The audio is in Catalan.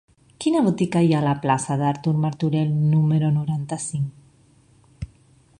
Quina botiga hi ha a la plaça d'Artur Martorell número noranta-cinc?